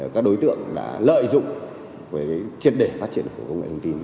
các đối tượng đã lợi dụng với chiến đề phát triển của công nghệ thông tin